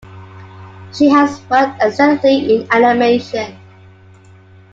She has worked extensively in animation.